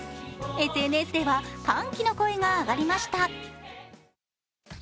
ＳＮＳでは歓喜の声が上がりました。